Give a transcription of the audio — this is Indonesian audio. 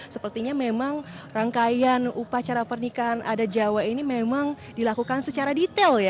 sepertinya memang rangkaian upacara pernikahan adat jawa ini memang dilakukan secara detail ya